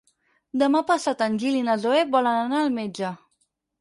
Demà passat en Gil i na Zoè volen anar al metge.